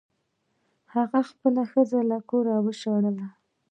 هغه خپله ښځه له کوره وشړله.